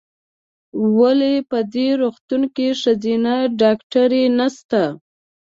ولې په دي روغتون کې ښځېنه ډاکټره نسته ؟